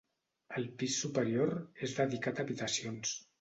El pis superior és dedicat a habitacions.